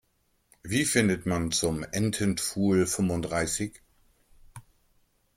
Wie findet man zum Entenpfuhl fünfunddreißig?